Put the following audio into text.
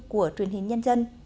của truyền hình nhân dân